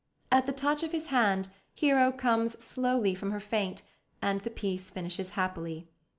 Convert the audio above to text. At the touch of his hand Hero comes slowly from her faint, and the piece finishes happily.